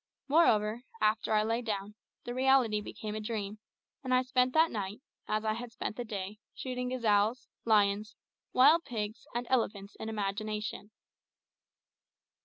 Moreover, after I lay down, the reality became a dream, and I spent that night, as I had spent the day, shooting gazelles, lions, wild pigs, and elephants in imagination.